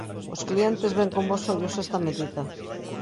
Os clientes ven con bos ollos esta medida.